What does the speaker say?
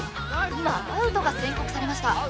今アウトが宣告されました